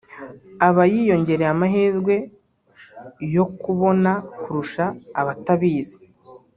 aba yiyongereye amahirwe yo kukabona kurusha abatabizi